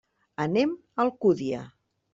Anem a l'Alcúdia.